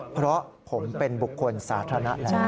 เพราะผมเป็นบุคคลสาธารณะแล้ว